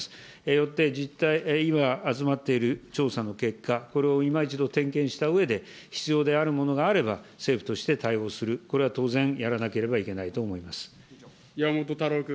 よって、今集まっている調査の結果、これを今一度点検したうえで、必要であるものがあれば、政府として対応する、これは当然やらな山本太郎君。